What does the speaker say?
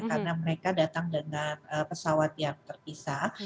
karena mereka datang dengan pesawat yang terpisah